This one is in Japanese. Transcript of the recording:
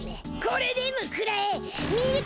これでもくらえ！